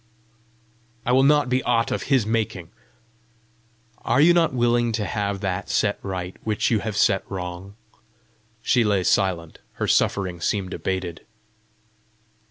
"I will not be aught of his making." "Are you not willing to have that set right which you have set wrong?" She lay silent; her suffering seemed abated.